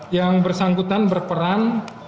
yang bersangkutan berperan